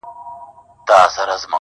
د لاسونو په پياله کې اوښکي راوړې.